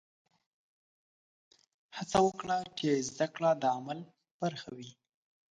هڅه وکړه چې زده کړه د عمل برخه وي.